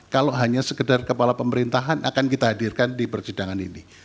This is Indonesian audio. kalau hanya sekedar kepala pemerintahan akan kita hadirkan di persidangan ini